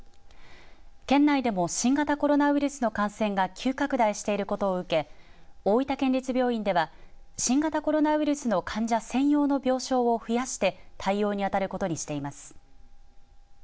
県内でも新型コロナウイルスの感染が急拡大していることを受け大分県立病院では新型コロナウイルスの患者専用の病床を増やして対応に当たることにしています。